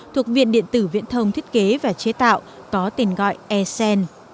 thuộc viện điện tử viện thông thiết kế và chế tạo có tên gọi esen